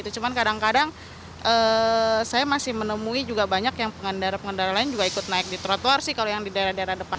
cuman kadang kadang saya masih menemui juga banyak yang pengendara pengendara lain juga ikut naik di trotoar sih kalau yang di daerah daerah depan